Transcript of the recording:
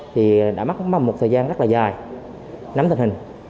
thì đã mắc mầm một thời gian rất là dài nắm tình hình